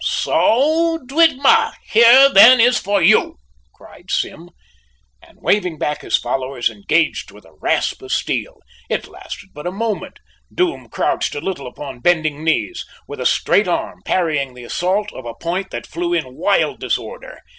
"So dhuit maat! here then is for you," cried Sim, and waving back his followers, engaged with a rasp of steel. It lasted but a moment: Doom crouched a little upon bending knees, with a straight arm, parrying the assault of a point that flew in wild disorder.